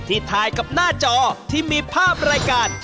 ถ่ายกับหน้าจอที่มีภาพรายการ